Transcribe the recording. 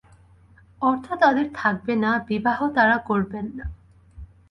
অর্থ তাঁদের থাকবে না, বিবাহ তাঁরা করবেন না।